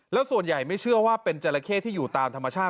แล้วส่วนใหญ่ไม่เชื่อว่าเป็นจราเข้ที่อยู่ตามธรรมชาติ